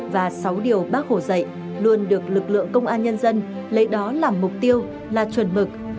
và sáu điều bác hồ dạy luôn được lực lượng công an nhân dân lấy đó làm mục tiêu là chuẩn mực